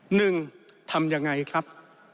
หนึ่งทำอย่างไรครับ